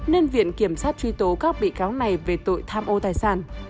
nên viện kiểm sát truy tố các bị cáo này về tội tham ô tài sản